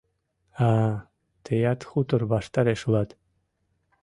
— А-а, тыят хутор ваштареш улат!